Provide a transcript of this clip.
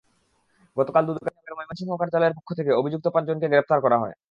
গতকাল দুদকের ময়মনসিংহ কার্যালয়ের পক্ষ থেকে অভিযুক্ত পাঁচজনকে গ্রেপ্তার করা হয়।